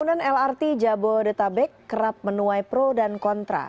pembangunan lrt jabodetabek kerap menuai pro dan kontra